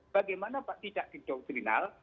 bagaimana tidak di doctrinal